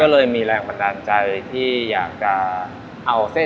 ก็เลยเริ่มต้นจากเป็นคนรักเส้น